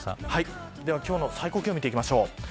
今日の最高気温を見ていきましょう。